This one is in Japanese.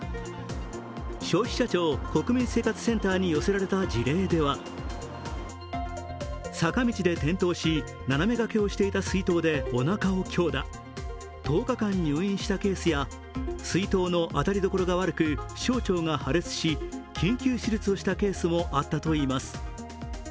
消費者庁・国民生活センターに寄せられた事例では、坂道で転倒し、斜めがけをしていた水筒でおなかを強打、１０日間入院したケースや水筒の当たりどころが悪く小腸が破裂し、緊急手術をしたケースもあったといいます。